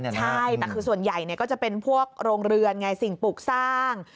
ใช่แต่คือส่วนใหญ่ก็จะเป็นพวกโรงเรือนไงสิ่งปลูกสร้าง